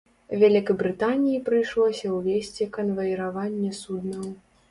Вялікабрытаніі прыйшлося ўвесці канваіраванне суднаў.